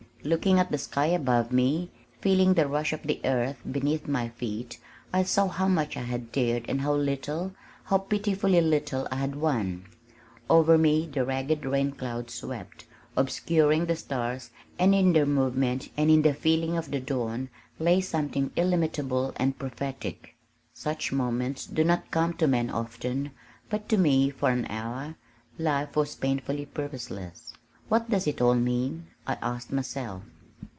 Looking at the sky above me, feeling the rush of the earth beneath my feet I saw how much I had dared and how little, how pitifully little I had won. Over me the ragged rainclouds swept, obscuring the stars and in their movement and in the feeling of the dawn lay something illimitable and prophetic. Such moments do not come to men often but to me for an hour, life was painfully purposeless. "What does it all mean?" I asked myself.